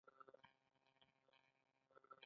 عدالت ولې د اسلام اساس دی؟